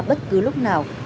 bất cứ lúc nào